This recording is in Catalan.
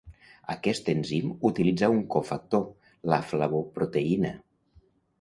Aquest enzim utilitza un cofactor, la flavoproteïna.